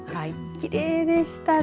きれいでしたね。